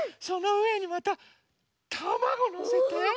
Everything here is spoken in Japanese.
そのうえにまたたまごのせて。